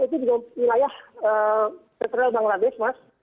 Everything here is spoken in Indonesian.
itu juga wilayah personel bangladesh mas